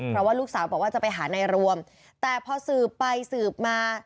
เพราะว่าลูกสาวบอกว่าจะไปหานายรวมแต่พอสืบไปสืบมา